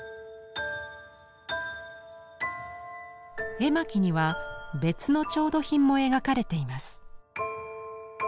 絵巻には別の調度品も描かれています。